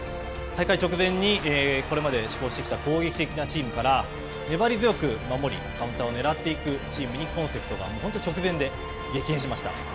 大会直前にこれまで志向してきた攻撃的なチームから、粘り強く守り、カウンターをねらっていくチームにコンセプトが直前で激変しました。